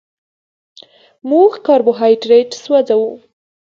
موږ کاربوهایډریټ سوځوو